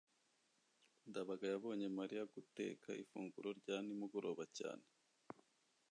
ndabaga yabonye mariya guteka ifunguro rya nimugoroba cyane